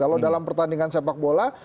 kalau dalam pertandingan sepak bola